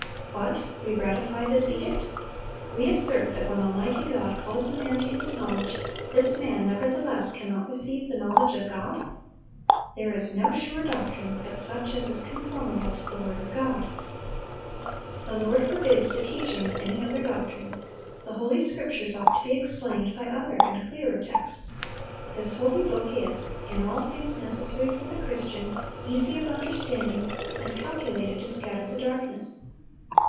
"What! we ratify this edict! We assert that when Almighty God calls a man to His knowledge, this man nevertheless cannot receive the knowledge of God?" "There is no sure doctrine but such as is conformable to the word of God.... The Lord forbids the teaching of any other doctrine.... The Holy Scriptures ought to be explained by other and clearer texts; ... this holy book is, in all things necessary for the Christian, easy of understanding, and calculated to scatter the darkness.